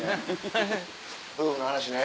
夫婦の話ね。